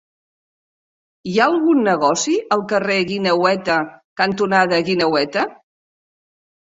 Hi ha algun negoci al carrer Guineueta cantonada Guineueta?